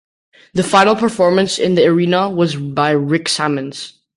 The final performance in the arena was by Rick Sammons.